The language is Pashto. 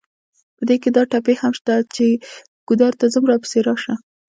په دې کې دا ټپې هم شته چې: ګودر ته ځم راپسې راشه.